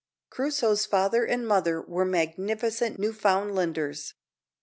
Crusoe's father and mother were magnificent Newfoundlanders.